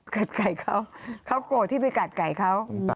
กัดไก่เขาเขาโกรธที่ไปกัดไก่เขา